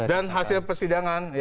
dan hasil persidangan